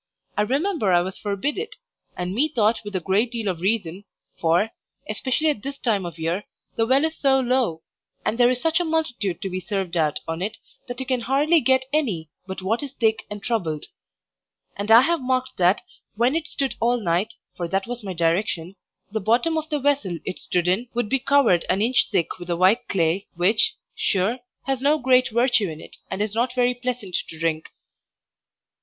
I remember I was forbid it, and methought with a great deal of reason, for (especially at this time of year) the well is so low, and there is such a multitude to be served out on't, that you can hardly get any but what is thick and troubled; and I have marked that when it stood all night (for that was my direction) the bottom of the vessel it stood in would be covered an inch thick with a white clay, which, sure, has no great virtue in't, and is not very pleasant to drink.